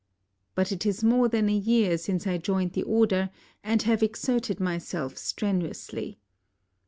But it is more than a year since I joined the Order, and have exerted myself strenuously.